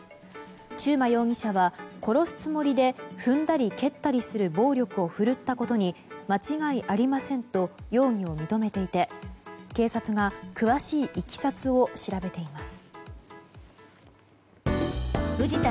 中馬容疑者は、殺すつもりで踏んだり蹴ったりする暴力をふるったことに間違いありませんと容疑を認めていて警察が詳しいいきさつを調べています。